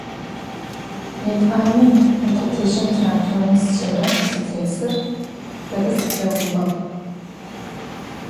Етӏани мыкъутэжьын трактормэ сшӏэрэп зытесыр, фэдэ слъэгъугъэп.